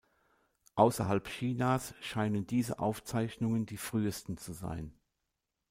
Außerhalb Chinas scheinen diese Aufzeichnungen die frühesten zu sein.